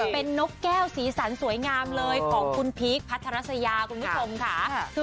เป็นนกแก้วสีสันสวยงามเลยคุณพีคพัฒนาสยาคุณมิถม